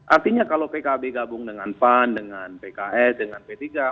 artinya kalau pkb gabung dengan pan dengan pks dengan p tiga